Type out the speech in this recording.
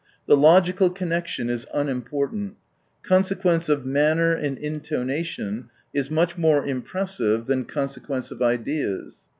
The logical connection is unimportant. Conse quence of manner and intonation is much more impressive than consequence of ideas.